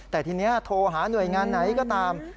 แต่ทีนี้โทรหาหน่วยงานไหนก็ตาม